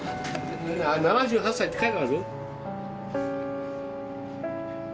・７８歳って書いてある？